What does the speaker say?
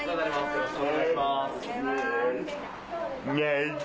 よろしくお願いします。